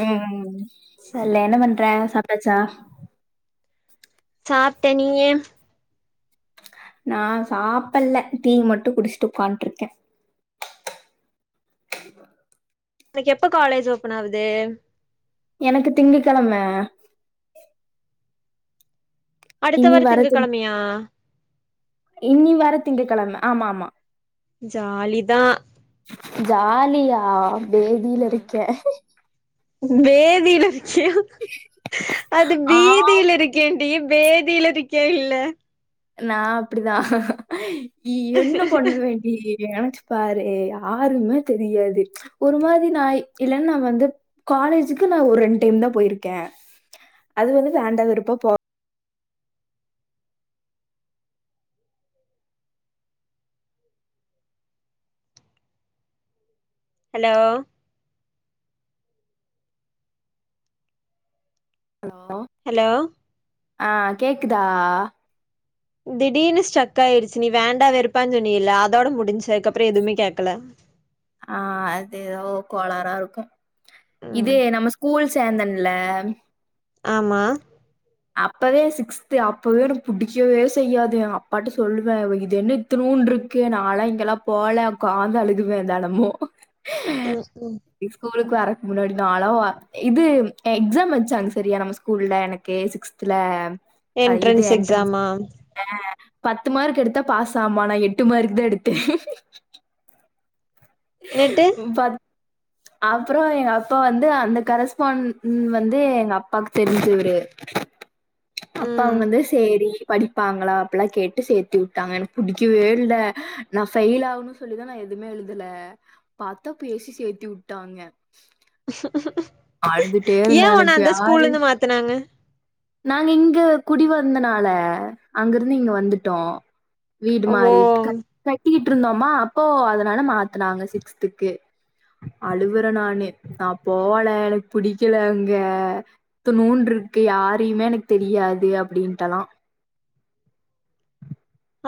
உம் சரி என்ன பண்றே சாப்ட்டாச்சா சாப்டே நீங்க நா சாப்பில்ல டீ மட்டு குடிச்சுட்டு உட்காந்துட்ருக்கே ஒனக்கு எப்ப காலேஜ் ஓபன் ஆகுது எனக்கு திங்ககெழம அடுத்த வார வர திங் திங்ககெழமயா இனி வர திங்ககெழம ஆமா ஆமா ஜாலிதா ஜாலியா பேதில ம் இருக்கே பேதில அது ஆ பீதியில இருக்கே ஏ பேதில இருக்கே இல்ல நா அப்டிதா என்ன பண்ணு வேண்டி நெனச்சு பாரு யாருமே தெரியாது ஒரு மாரி நா இல்லன்னா நா வந்து காலேஜுக்கு நா ஒரு ரெண்டு டைம் தா போயிருக்கே அது வந்து வேண்டா வெருப்பா போ ஹலோ ஹலோ ஹலோ ஆ கேக்குதா திடீர்னு ஸ்டக் ஆயிருச்சு நீ வேண்டா வெறுப்பானு சொன்னில்ல அதோட முடிஞ்சது அதுக்ப்புறோ எதுவுமே கேக்கல ஆ அதேதோ கோளாரா இருக்கு இது ம் நம்ம ஸ்கூல் சேந்தன்ல ஆமா அப்பவே சிக்ஸ்து அப்பவே எனக் புடிக்கவே செய்யாது அப்பாட்ட சொல்லுவ இது என்ன இத்தணூன்டுருக்கு நால்லா இங்கெல்லா போல உக்காந்து அழுகுவ தெனமு ம் ம் ஸ்கூல்க் வர முன்னாடி நாலா இது எக்ஸாம் வெச்சாங்க சேரியா நம்ம ஸ்கூல்ல எனக் கே சிக்ஸ்த்துல என்ட்ரன்ஸ் எக்ஸாமா பத்து மார்க் எடுத்தா பாஸ் ஆமா நா எட்டு மார்க்கு தா எடுத்த நேட்டு [unintelligible] அப்புறோ எங்க அப்பா வந்து அந்த கரஸ்பாண் ண் வந்து எங்க அப்பாக்கு தெரிஞ்சவரு அப்ப ம் அவங்க வந்து சேரி படிப்பாங்களா அப்பல்லா கேட்டு சேத்தி உட்டாங்க எனக்கு புடிக்கவே இல்ல நா ஃபெயில் ஆகுனு சொல்லிதான் நான் எதுவுமே எழுதல பாத்தா பேசி சேத்தி உட்டாங்க ஏ இருந்தேன் உன்ன எனக்கு அந்த ஸ்கூல்ல யாரு இருந்து மாத்துனாங்க நாங்க இங்க குடி வந்தனால அங்கிருந்து இங்க வந்துட்டோ வீடு ஓ மாறி [inaudible] கட்டிட் ட்ருந்தோமா அப்போ அதனால மாத்துனாங்க சிக்ஸ்த்துக்கு அழுவுற நானு நா போல எனக் புடிக்கல அங்க இத்துணூண்டுருக்கு யார் யாரையுமே எனக் தெரியாது அப்டின்ட்டெல்லா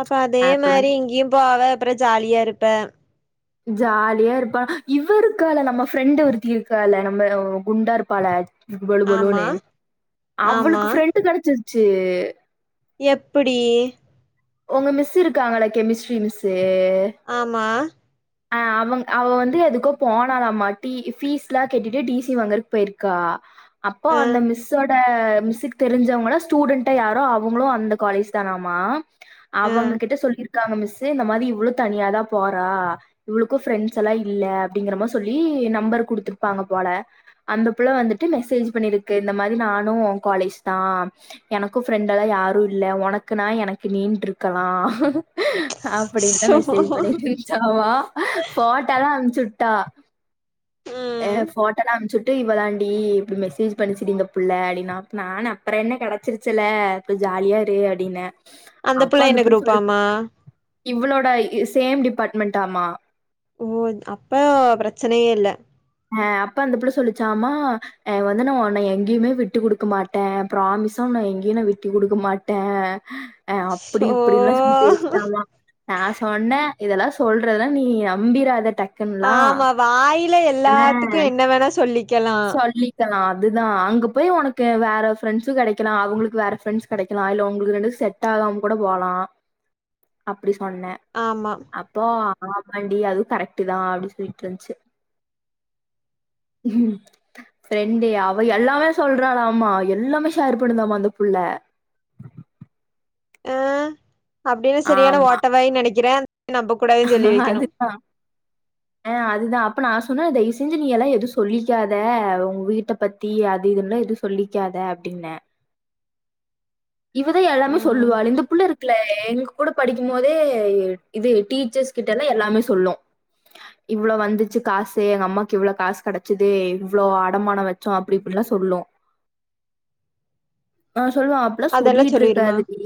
அப்ப அதே அப்புறம் மாரி இங்கியும் போவப் அப்புறோ ஜாலியா இருப்ப ஜாலியா இருப்பா இவ இருக்கால நம்ம ஃப்ரெண்டு ஒருத்தி இருக்கால நம்மல குண்டா இருப்பால பொலு ஆமா பொலுன்னு ஆமா அவளுக்கு ஃப்ரெண்டு கெடச்சு ச்சு எப்புடி உங்க மிஸ் இருக்காங்கள கெமிஸ்ட்ரி மிஸ்ஸு ஆமா அ அவங் அவ வந்து எதுக்கோ போனாலாமாட்டி ஃபீஸ் எல்லா கெட்டிட்டு டிசி வாங்குறதுக்கு போயிருக்கா அப்போ அ அந்த மிஸ்ஸோட மிஸ்க்கு தெரிஞ்சவங்களா ஸ்டூடண்டா யாரு அவங்களு அந்த காலேஜ் தானாமா அ அவங்க கிட்ட சொல்லிரு க்காங்க மிஸ்ஸு இந்த மாரி இவ்வளு தனியாதா போறா இவளுக்கு ஃபெரண்ட்ஸ் எல்லா இல்ல அப்டிங்கற மார் சொல்லி நம்பர் குடுத்துருப்பாங்க போல அந்த புள்ள வந்துட்டு மெசேஜ்ஜு பண்ணிருக்கு இந்த மாரி நானு உங் காலேஜ்தா எனக்கு ஃப்ரெண்டெல்லா யாரு இல்ல உனக்கு நா எனக் கு நீன்ட்ருக்கலா அப்டின்னுதா சோ மெசேஜ் பண்ணிட்ருஞ்சாமா ஃபோட்டா எல்லா அமுச்சு டா ஏ ம் போட்டாலா அமிச்சு ட்டு இவலாண்டி இப்பி மெசேஜ் பண்ணிச்சுடி இந்த புள்ள அப்பிடின்னா நானு அப்புறோ என்ன கிடைச்சிருச்சல அப்புறோ ஜாலியா இரு அப்பிடின்னே அப்ப அந்த புள்ள சொல்லு இவளோட ஸ் தேம் டிபார்ட் மெண்ட்டாம்மா ஓ அப்ப பிரச்சனையே இல்ல ஆ அப்ப அந்த புள்ள சொல்லிச்சாமா ஆ வந்து நா உன்னைய எங்கேயுமே விட்டு குடுக்க மாட்டே பிராமிசா உன்ன எங்கேயு விட்டு குடுக்க மாட்டே ஆ அப்பிடி சோ இப்பிடில்லா சொல்லி பேசிச்சாமா நா சொன்னே இதெல்லா சொல்றதுெல்லா நீ நம்பிராத டக் ஆமா வாயில எல் எல்லாத்துக்கு என்ன வேணா சொல்லிக்கலா ஆ அதுதா அங்க போய் உனக்கு வேற ஃப்ரெண்ட்ஸ் கெடைக்கலா அவங்களுக்கு வேற ஃப்ரெண்ட்ஸ் கெடைக்கலா இல்ல உங்களுக்கு ரெண்டு செட் ஆவாம கூட போலா அப்பிடி சொன்னே ஆமா அப்போ ஆமாண்டி அதுவு கரெக்ட் தா அப்பிடினு சொல்லிட்டு இருந்துச்சி ம் ஃப்ரெண்டே அவ எல்லாமே சொல்றாளாமா எல்லாமே ஷேர் பண்ணுந்தாம அந்த புள்ள ஆ அப்பிடின்னா சரியான ஓட்டவாயி நெனைக்கிறே நம்ப கூடாதுன்னு சொல்லி வைக்கணு அதுதா ஆ அதுதா அ அப்ப நா சொன்னே தயவு செஞ்சி நீ எல்லா எதுவு சொல்லிக்காத உங்க வீட்ட பத்தி அது இதுல்லா எதுவு சொல்லிக்காத அப்பிடின்னே இவதா எல்லாமே ம் சொல்லுவள இந்த புள்ள இருக்குல எங்க கூட படிக்கு போதே இது டீச்சர்ஸ் கிட்டல்லா எல்லாமே சொல்லு இவ்ளோ வந்துச்சி காசு எங்க அம்மாக்கு இவ்ளோ காசு கெடைச்சது இவ்வளோ அடமானம் வச்சோ அப்பிடி இப்பிடிலா சொல்லு ஆ சொல்லுவ அதெல்லா சொல்லிட்டு சொல்லிருமா இருக்காதுடி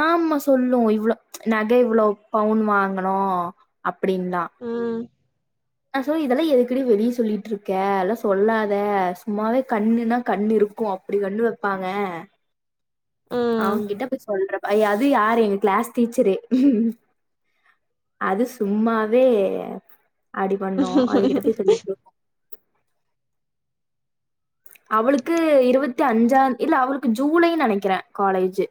ஆமா சொ சொல்லு இவ்ளோ நக இவ்வளோ பவுன் வாங்கனோ அப்பிடின்லா ம் சோ இதெல்லா எதுக்கடி வெளியே சொல்லிட்டு இருக்கே எல்லா சொல்லாத சும்மாவே கண்ணுன்னா கண்ணு இருக்கு அப்பிடி கண்ணு வப்பாங்க அவுங்ககிட்ட போய் சொல்றப்ப அது யாரு எங்க கிளாஸ் டீச்சரே ம் அது சும்மாவே ஆடி பண்ணோ அதுகிட்ட ம் போய் சொல்லிட்டு இருக்கு அவளுக்கு இருபத்தி அஞ்சா தே இல்ல அவளுக்கு ஜூலை நெனைக்கிறே காலேஜி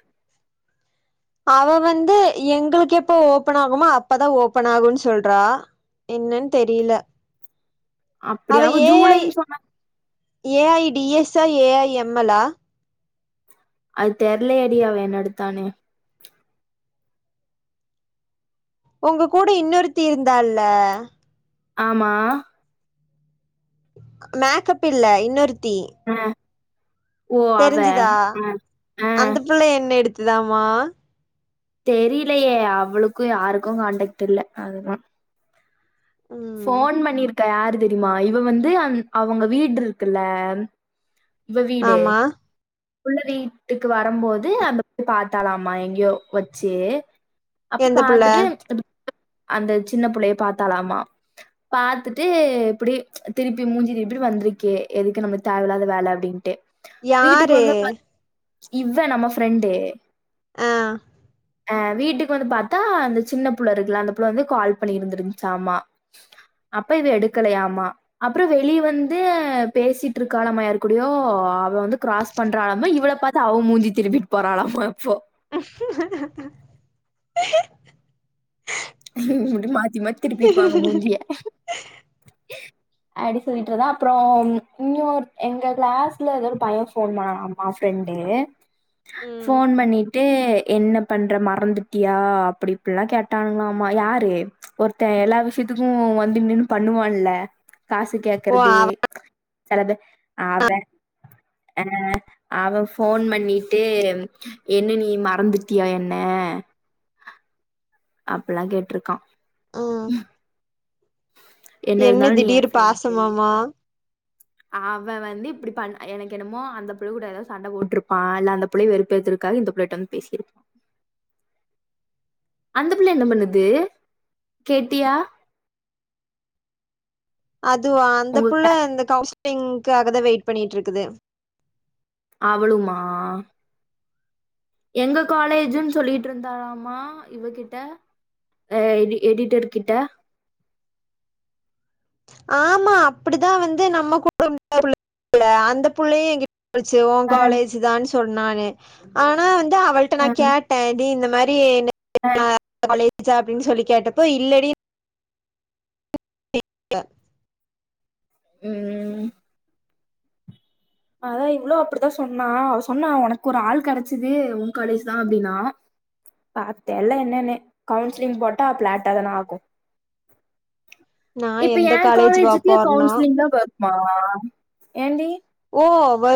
அவ வந்து எங்களுக்கு எப்ப ஓபன் ஆகுமோ அப்பதா ஓபன் ஆகுன்னு சொல்றா என்னன் தெரியல அப்டி அவ ஏஐ ஜூலைன்னு சொன்னா ஏஐ டிஎஸ் ஆ ஏஐஎம்லா அது தெரலயேடி அவ என்ன எடுத்தானு உங்க கூட இன்னொருத்தீ இருந்தால்ல ஆமா மேக்கப் இல்ல இன்னொருத் தி அ. ஓ அவ. தெரிஞ்சிதா அ. அ. அந்த பிள்ள என்ன எடுத் துதமா தெரியலையே அவளுக்கும் யாருக்கும் கான்டக்ட் இல்ல அதிகமா ம் ஃபோன் பண்ணிரு க்க யாரு தெரிமா இவ வந்து அ அவுங்க வீடு இருக்குல்ல இவ வீடு ஆமா உள்ள வீட்டுக்கு வரம்போது அந்த போயி பாத்தாலாமா எங்கயோ வச்சி அப்ப எந்த புள்ள பாத்துட்டு அந்த சின்ன புள்ளய பாத்தாலாமா பாத்துட்டு இப்டி திருப்பி மூஞ்சி திருபிட்டு வந்திருக்கே எதுக்கு நமஞகு தேவயிலாத வேல அப்டின்ட்டு வீட்டுக்கு யாரு வந்து பாத் இவ நம்ம ஃபிரண்டு ஆ ஆ வீட்டுக்கு வந்து பாத்தா அந்த சின்ன புள்ள இருக்குல்ல அந்த புள்ள வந்து கால் பண்ணிருந்துருந்தாசாமா அப்ப இவ எடுக்கலயாமா அப்புற வெளி வந்து பேசிட்டு இருக்காலமா யாரு குடியோ அவ வந்து கிராஸ் பண்றாலமா இவள பாத்து அவ மூஞ்சி திருப்பிட்டு போறலாமா இப்போ [inaudible] முடி மாத் மாத்தி மாத் திருப்பிகுவாங்க மூஞ்சிய அப்டி சொலிட்டுருதா அப்புற இன்னொரு எங்க கிளாஸ்ல எதோ ஒரு பைய ஃபோன் பண்ணானாமா ஃப்ரெண்டு ம் ஃபோன் பண்ணி ட்டே என்ன பண்ற மறந்துட்டியா அப்டி இப்டிலா கேட்டானுங்களா ஆமா யாரு ஒருத்தன் எல்லா விஷியத்துக்கு வந்து நின்னு பண்ணுவான் இல்ல காசு ஓ கேக்கறது அவ செலது அவன் ஆ அவன் ஃபோன் பண்ணிட்டு என்ன நீ மறந்துட்டியா என்ன அப்பிலாம் கேட்ருக்கான் ம் என்ன இருந்தாலு நீ எ திடீர் ஃப்ரெண்டு பாசமாம அவன் வந்து இப்டி பண்ண எனக்கு என்னமோ அந்த பிள்ள கூட எதாவது சண்ட போட்டுருப்பான் இல்ல அந்த புள்ளய வெறுப்பேத்தறகாக இந்த புள்ளைட்ட வந்து பேசிரு அந்த பிள்ள என்ன பண்ணுது கேட்டியா அதுவா அந்த உங்க புள்ள க்ளா இந்த கவுன்ஸ் ங்காகத வெயிட் பண்ணிட்டு இருகுது அவளுமா எங்க காலேஜுனு சொலிடு இருதாலாமா இவகிட்ட எடிட்டர் கிட்ட ஆமா அப்டிதா வந்து நம்ம கூட இன்னொரு அந்த புள்ளய எங்க சொல்லுச்சு ஓ அ காலேஜ் தா சொன்னானு ஆனா அவள்ட்ட நா அ கேட்டே நீ மாரி அ [unintelligible] சா அப்டினு சொல்லி கேக்கட்டு இல்லடி கேக்ல உம் அதா இவ்ளு அப்டிதா சொன்னா அவ சொன்னா உனக்கு ஒரு ஆள் கெடச்சது உன் காலேஜ் தா அப்டினா பா தெர்ல் என்னன்னு கவுன்சிலிங் போட்டா பிளாடாதான ஆகு நா இப்ப எந்த ஏ காலேஜ் வா காலேஜூக்கு போறேன்னா கவுன்சிலிங் தாப மா ஏன்டி ஓ வ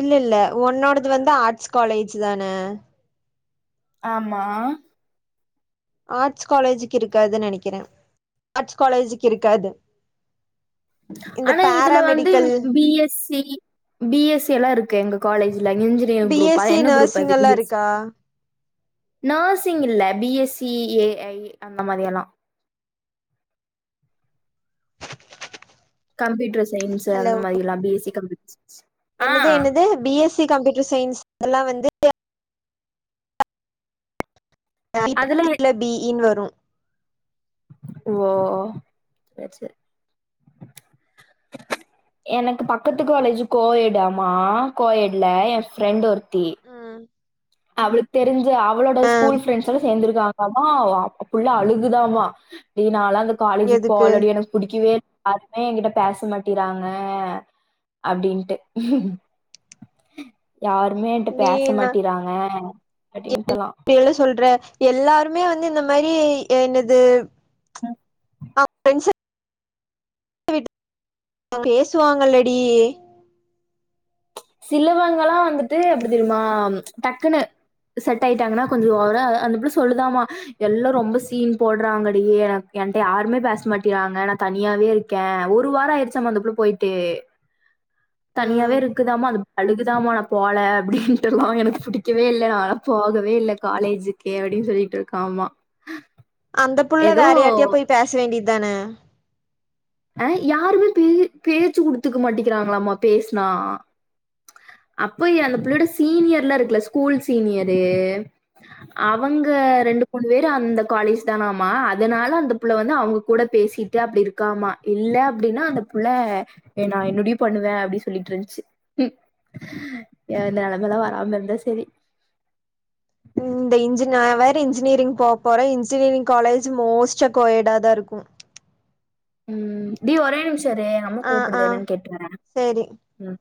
இல்ல இல்ல உன்னோடது வந்து ஆர்ட்ஸ் காலேஜ் தான ஆமா ஆர்ட்ஸ் காலேஜுக்கு இருக்காது நெனக்குறே ஆர்ட்ஸ் காலேஜ்க்கு இருக்காது இந்த ஆனா இதுல வந்து paramedical B SC B SC எல்லா இருக்கு எங்க college engineering B group S C என்ன குரூப் நர்சிங் அது பி எல்லா இருக்கா நர்சிங் இல்ல பி எஸ்சி ஏ ஐ அந்த மாதிரி எல்லா கம்ப்யூட்டர் சயின்ஸ் ஹலோ அந்த மாதிரில்லா பி எஸ் கம்யூ [inaudible] என்னது என்னது பி எஸ்சி கம்யூட்ட சயின்ஸ் அதெல்லா வந்து [unintelligible] அதுல பி இன் வரும் புறம் ஓ சேரி சேரி எனக்கு பக்கத்து காலேஜ் கோயடாமா கோயட்ல என் ஃப்ரெண்ட் ஒரு தி ம் அவளுக்கு தெருஞ்சு க்கு அவளோட ஆ ஸ்கூல் ஃப்ரெண்ட்ஸ் எல்லா சேந்துருக்காங் ளாமா புள்ள அழுகுதாம டே நாலா அந்த காலேஜுக் எதுக்கு போவலடி எனக் புடிக்கவே யாருமே எங்கிட்ட பேச மாட்டிறாங்க அப்டின்ட்டு யாருமே என்ட்ட பேச மாட்டிறாங் [inaudible] என்ன சொல்ற எல்லாருமே வந் து இந்த மாரி என்னது ம் [inaudible] பேசுவாங்கல்லடி சிலவங்களா வந்துட்டு எப்டி தெரிமா டக்குன்னு செட் ஆயிட்டாங்கனா கொஞ்சொ ஒர அந்த புள்ள சொல்லுதாமா எல்லா ரொம்ப சீன் போட்றாங்கடி எனக் என்ட்ட யாருமே பேச மாட்டிறாங்க நா தனியாவே இருக்கே ஒரு வார ஆயிடுச்சாமா அந்த புள்ள போயிட்டு தனியாவே ம் இரு அழுகுதாமா நா போல அப்டின்ட்டுலா எனக்கு புடிக்கவே இல்ல நாலா போகவே இல்ல காலேஜுக்கே அப்டின் சொல்லிட்டு இருக்காமா அந்த புள்ள ஏதோ வேற யார்டயா போய் பேச வேண்டியது தான அ யாருமே பே பேச்சு குடுத்துக்க மாட்டிக்கிறாங்ளாமா பேசுனா அப்ப அந்த பிள்ளயோட சீனியர்லா இருக்குல ஸ்கூல் சீனியரு அவங்க ரெண்டு மூணு பேரு அந்த காலேஜ் தானாமா அதனால அந்த புள்ள வந்து அவுங்க கூட பேசிட்டு அப்டி இருக்காம இல்ல அப்டின்னா அந்த புள்ள நா என்னடி பண்ணுவே அப்டி சொல்லிட்ருந்ச்சு ஏ நெலமல்லா வராம இருந்தா செரி இந்த இன்ஜி நா வேற இன்ஜினியரிங் போ போறே இன்ஜினியரிங் காலேஜ் மோஸ்டா கோ எடா தா இருக்கு ம் டி ஒரே நிமிஷ இரு எங்கம்மா ஆ ஆ கூப்புடுது என்னன் கேட்டு வரே சேரி ம்